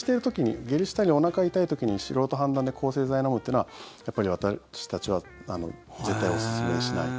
下痢したり、おなか痛い時に素人判断で抗生剤を飲むというのはやっぱり私たちは絶対おすすめしない。